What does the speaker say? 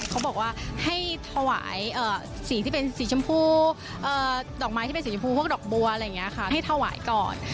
เขาบอกว่าให้ถวายสีที่เป็นสีชมพูดอกไม้ที่เป็นสีชมพูพวกดอกบัวอะไรอย่างนี้ค่ะให้ถวายก่อน